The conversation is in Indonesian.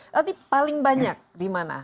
tapi paling banyak di mana